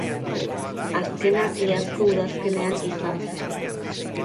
Azkena iazko udazkenean izan zen.